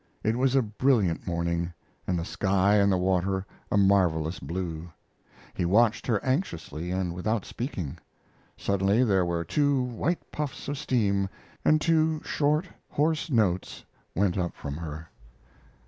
It was a brilliant morning, the sky and the water a marvelous blue. He watched her anxiously and without speaking. Suddenly there were two white puffs of steam, and two short, hoarse notes went up from her.